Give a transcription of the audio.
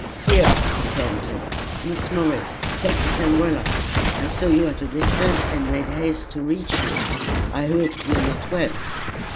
"Here," he panted, "Miss Morris, take this umbrella! I saw you at a distance, and made haste to reach you. I hope you're not wet."